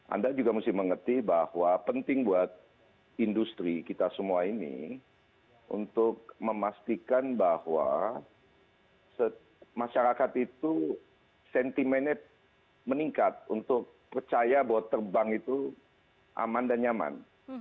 anda juga mesti mengerti bahwa penting buat industri kita semua ini untuk memastikan bahwa masyarakat itu sentimennya meningkat untuk percaya bahwa terbang itu aman dan nyaman